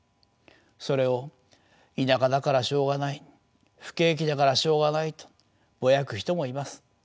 それを田舎だからしょうがない不景気だからしょうがないとぼやく人もいます。